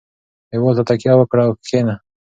دېوال ته تکیه وکړه او کښېنه.